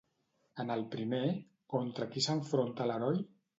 En el primer, contra qui s'enfronta l'heroi?